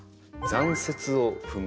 「残雪を踏む」。